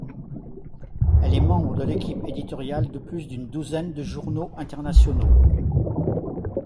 Elle est membre de l'équipe éditoriale de plus d'une douzaine de journaux internationaux.